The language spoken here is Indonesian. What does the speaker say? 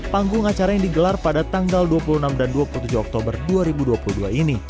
panggung acara yang digelar pada tanggal dua puluh enam dan dua puluh tujuh oktober dua ribu dua puluh dua ini